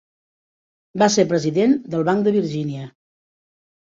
Va ser president del Banc de Virgínia.